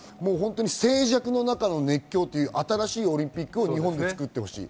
静寂の中の熱狂、新しいオリンピックを日本でつくってほしい。